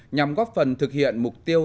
nhằm góp phần thực hiện mục tiêu